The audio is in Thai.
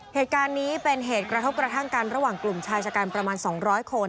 เหตุการณ์นี้เป็นเหตุกระทบกระทั่งกันระหว่างกลุ่มชายชะกันประมาณ๒๐๐คน